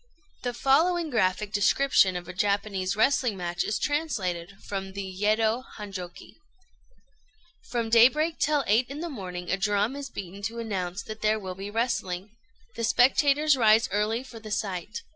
The following graphic description of a Japanese wrestling match is translated from the "Yedo Hanjôki": "From daybreak till eight in the morning a drum is beaten to announce that there will be wrestling. The spectators rise early for the sight.